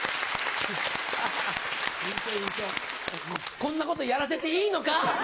こんなことやらせていいのか？